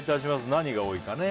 何が多いかね。